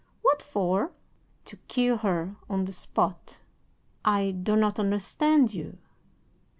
"'What for?' "'To kill her on the spot.' "'I do not understand you.'